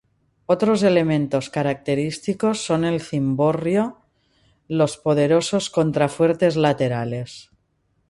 Otros elementos característicos son el cimborrio, los poderosos contrafuertes laterales.